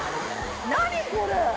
何これ？